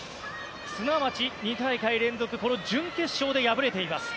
すなわち２大会連続この準決勝で敗れています。